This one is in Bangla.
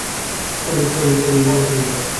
স্যরি, ধীরু মামা!